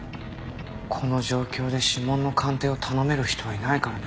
この状況で指紋の鑑定を頼める人はいないからね。